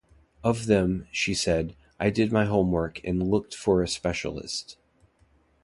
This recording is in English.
Of them, she said, I did my homework and looked for a specialist.